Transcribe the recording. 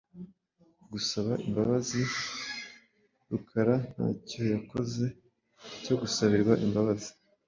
Gusaba Imbabazi ? Rukara ntacyo yakoze cyogusabirwa imbabazi ,